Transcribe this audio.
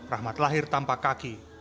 rahmat lahir tanpa kaki